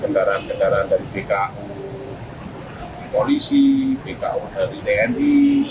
kendaraan kendaraan dari bku polisi bku dari dni